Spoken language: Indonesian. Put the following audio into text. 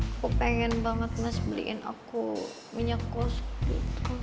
aku pengen banget mas beliin aku minyak kos gitu